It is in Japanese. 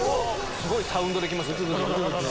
すごいサウンドできましたよ。